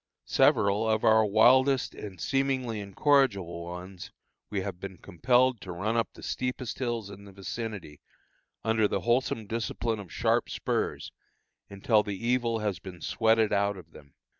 Several of our wildest and seemingly incorrigible ones we have been compelled to run up the steepest hills in the vicinity, under the wholesome discipline of sharp spurs, until the evil has been sweated out of them.